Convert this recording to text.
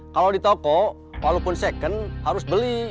kalau di toko walaupun second harus beli